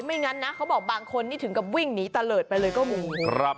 ไม่งั้นนะเขาบอกบางคนนี่ถึงกับวิ่งหนีตะเลิศไปเลยก็มี